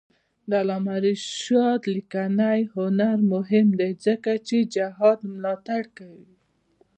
د علامه رشاد لیکنی هنر مهم دی ځکه چې جهاد ملاتړ کوي.